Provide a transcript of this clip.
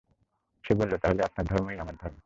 সে বলল, তাহলে আপনার ধর্মই আমার ধর্ম।